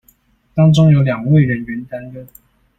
當中有兩位人員擔任